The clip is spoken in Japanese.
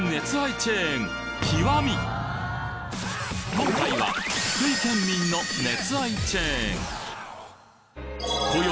今回は福井県民の熱愛チェーン今宵